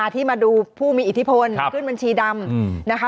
ที่มาดูผู้มีอิทธิพลขึ้นบัญชีดำนะคะ